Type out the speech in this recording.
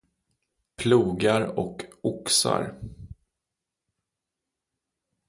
Plogar och oxar.